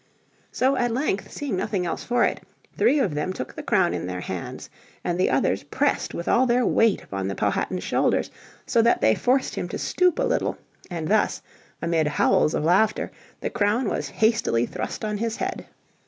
So at length, seeing nothing else for it, three of them took the crown in their hands, and the others pressed with all their weight upon the Powhatan's shoulders so that they forced him to stoop a little, and thus, amid howls of laughter, the crown was hastily thrust on his head.